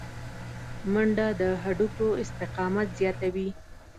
منډه د هډوکو استقامت زیاتوي